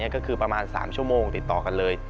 ก็คือประมาณ๓ชั่วโมงติดต่อกันเลย